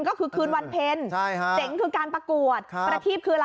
ก็คือคืนวันเพลใช่ฮะเต๋งคือการประกวดครับประทีบคืออะไรอะ